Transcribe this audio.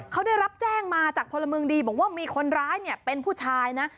เขาได้รับแจ้งมาจากพลเมืองดีบอกว่ามีคนร้ายเนี่ยเป็นผู้ชายนะ